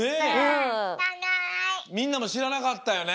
みんなもしらなかったよね。